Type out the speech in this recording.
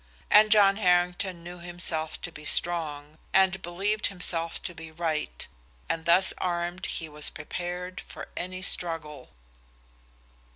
And John Harrington knew himself to be strong, and believed himself to be right, and thus armed he was prepared for any struggle.